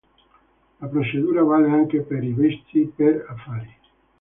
La procedura vale anche per i visti per affari.